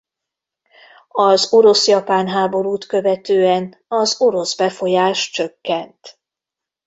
Az orosz-japán háborút követően az orosz befolyás csökkent.